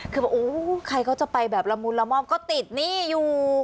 คือบอกโอ้ใครก็จะไปแบบละมุนละม่อมก็ติดหนี้อยู่